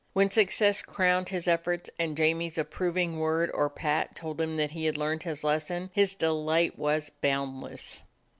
When success crowned his efforts and Jamie's approving word or pat told him that he had learned his lesson, his delight was boundless.